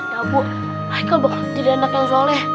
dabu haikal bakalan jadi anak yang soleh